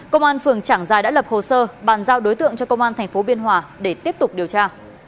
công an phường trảng giài đã lập hồ sơ bàn giao đối tượng cho công an tp biên hòa để tiếp tục điều tra